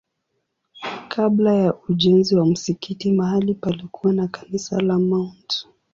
Kabla ya ujenzi wa msikiti mahali palikuwa na kanisa la Mt.